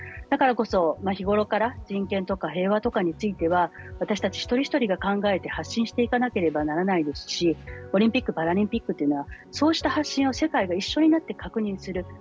だからこそ日頃から人権とか平和については私たち一人一人が考えて発信していかなければならないですしオリンピック・パラリンピックというのはそうした発信を世界が一緒になって確認する。